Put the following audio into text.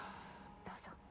どうぞ。